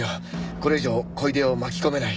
これ以上小出を巻き込めない。